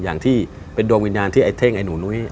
อย่างที่เป็นดวงวิญญาณที่ไอ้เท่งไอ้หนูนุ้ย